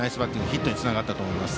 ヒットにつながったと思います。